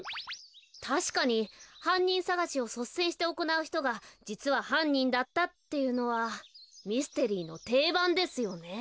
たしかにはんにんさがしをそっせんしておこなうひとがじつははんにんだったっていうのはミステリーのていばんですよね。